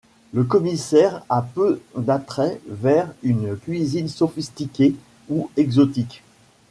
Le commissaire a peu d'attraits vers une cuisine sophistiquée ou exotique.